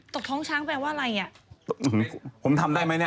ตกท้องช้างแปลว่าอะไร